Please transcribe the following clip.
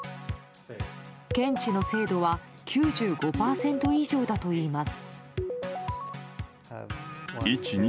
検知の精度は９５％以上だといいます。